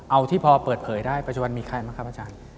เอาที่พอเปิดเผยได้ปัจจุบันมีใครบ้างครับอาจารย์